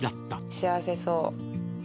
幸せそう。